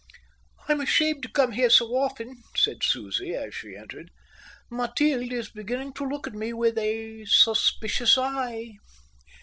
"I'm ashamed to come here so often," said Susie, as she entered. "Matilde is beginning to look at me with a suspicious eye."